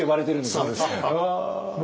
そうです。